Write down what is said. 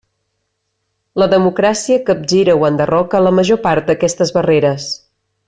La democràcia capgira o enderroca la major part d'aquestes barreres.